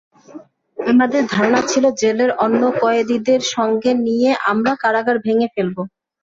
আমাদের ধারণা ছিল, জেলের অন্য কয়েদিদের সঙ্গে নিয়ে আমরা কারাগার ভেঙে ফেলব।